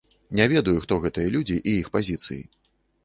Не ведаю, хто гэтыя людзі і іх пазіцыі.